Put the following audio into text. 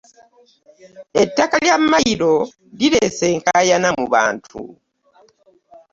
Ettaka lya mayiro lireese enkayaana mu bantu.